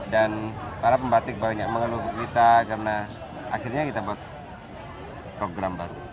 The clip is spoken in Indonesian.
dan para pembatik banyak mengeluh kita karena akhirnya kita buat program baru